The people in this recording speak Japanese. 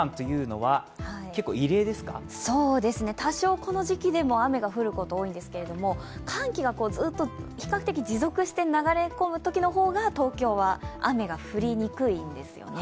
この時期でも雨が降ることが多いんですけど寒気がずっと比較的持続して流れ込むときの方が東京は雨が降りにくいんですよね。